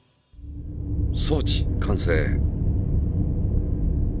装置完成。